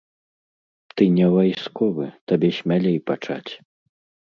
Ты не вайсковы, табе смялей пачаць.